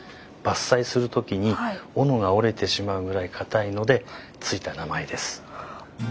伐採する時にオノが折れてしまうぐらいかたいので付いた名前です。